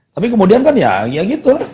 tapi kemudian kan ya gitu